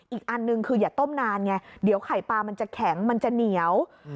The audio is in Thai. อีกอันหนึ่งคืออย่าต้มนานไงเดี๋ยวไข่ปลามันจะแข็งมันจะเหนียว